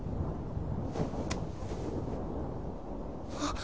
あっ！